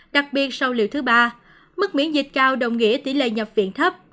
đặc biệt sau liệu thứ ba mức miễn dịch cao đồng nghĩa tỷ lệ nhập viện thấp